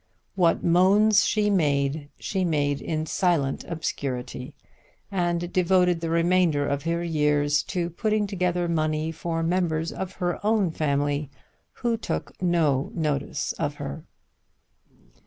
What moans she made she made in silent obscurity, and devoted the remainder of her years to putting together money for members of her own family who took no notice of her.